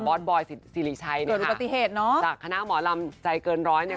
สบอยสิริชัยเนี่ยเกิดอุบัติเหตุเนอะจากคณะหมอลำใจเกินร้อยเนี่ย